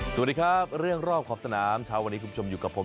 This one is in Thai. สวัสดีครับเรื่องรอบขอบสนามเช้าวันนี้คุณผู้ชมอยู่กับผม